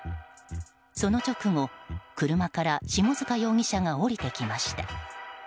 その直後、車から下塚容疑者が降りてきました。